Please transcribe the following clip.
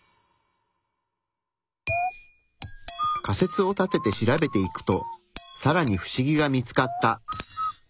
仮説を立てて調べていくとさらにフシギが見つかった。